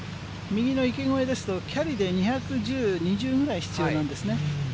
右の池越えですと、キャリーで２１０必要なんですね。